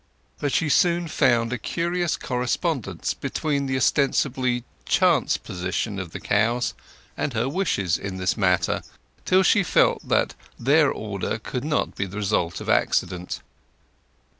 But she soon found a curious correspondence between the ostensibly chance position of the cows and her wishes in this matter, till she felt that their order could not be the result of accident.